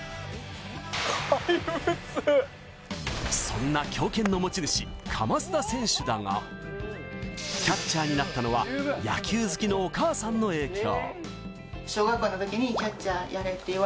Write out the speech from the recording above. そんな強肩の持ち主、叺田選手だが、キャッチャーになったのは野球好きのお母さんの影響。